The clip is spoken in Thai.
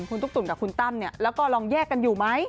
คุณตุ๊กตุ๋นกับคุณตั้มเนี่ยแล้วก็ลองแยกกันอยู่ไหม